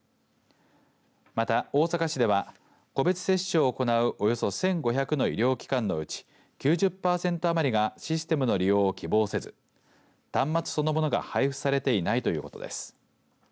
また大阪市では、個別接種を行うおよそ１５００の医療機関のうち９０パーセント余りがシステムの利用を希望せず端末そのものが配布されていないということです。